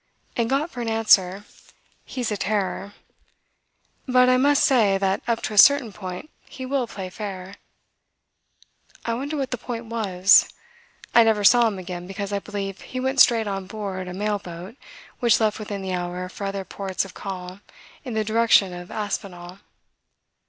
and got for an answer: "He's a terror; but I must say that up to a certain point he will play fair. ..." I wonder what the point was. I never saw him again because I believe he went straight on board a mail boat which left within the hour for other ports of call in the direction of Aspinall.